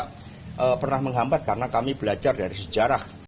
tidak pernah menghampat karena kami belajar dari sejarah